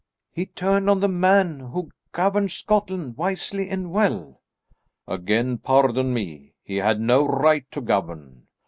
"He turned on the man who governed Scotland wisely and well." "Again pardon me; he had no right to govern.